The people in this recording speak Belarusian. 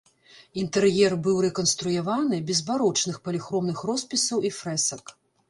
Інтэр'ер быў рэканструяваны без барочных паліхромных роспісаў і фрэсак.